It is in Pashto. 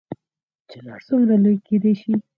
چنار څومره لوی کیدی شي؟